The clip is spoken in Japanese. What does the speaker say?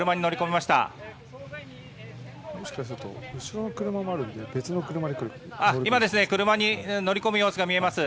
もしかすると後ろの車のあるので別の車で来るかもしれません。